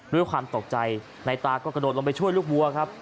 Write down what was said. ด้วยความตกใจนายตาก็กระโดดลงไปช่วยลูกวัวครับ